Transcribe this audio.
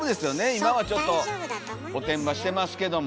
今はちょっとおてんばしてますけども。